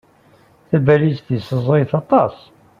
Tabalizt-is ẓẓayet aṭas.